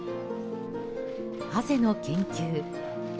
ハゼの研究。